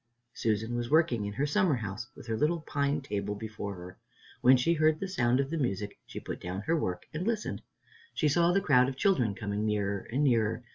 Susan was working in her summer house, with her little pine table before her. When she heard the sound of the music, she put down her work and listened. She saw the crowd of children coming nearer and nearer.